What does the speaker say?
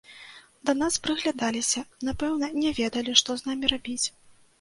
Да нас прыглядаліся, напэўна, не ведалі, што з намі рабіць.